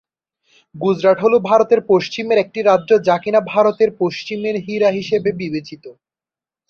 গুজরাট হলো ভারতের পশ্চিমের একটি রাজ্য যা কিনা ভারতের পশ্চিমের হীরা হিসাবে বিবেচিত।